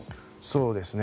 そうですね。